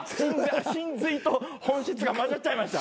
神髄と本質が交ざっちゃいました。